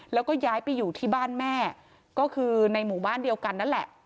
แล้วก็ย้ายไปอยู่ที่บ้านแม่ก็คือในหมู่บ้านเดียวกันนั่นแหละ